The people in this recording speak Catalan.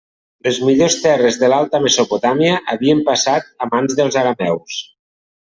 Les millors terres de l'alta Mesopotàmia havien passat a mans dels arameus.